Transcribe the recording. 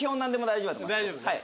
大丈夫ね？